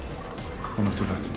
「この人たち」